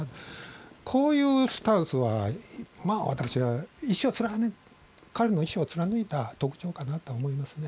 こういうスタンスは彼の一生を貫いた特徴かなと思いますね。